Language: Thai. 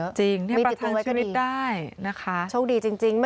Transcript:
มีจุดท้วยก็ดีช่วงดีจริงมีตัวไว้ก็ดีนะคะ